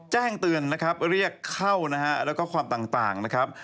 แจ้งเตือนนะครับเรียกเข้านะฮะแล้วก็ความต่างนะครับ